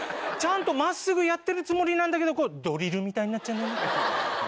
ちゃんと真っすぐやってるつもりなんだけどドリルみたいになっちゃうんだよね。